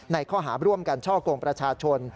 ข้อหาร่วมกันช่อกงประชาชน